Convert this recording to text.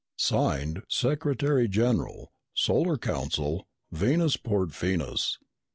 Signed, Secretary General, Solar Council, Venusport, Venus.